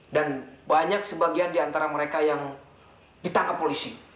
dan banyak sebagian di antara mereka yang ditangkap polisi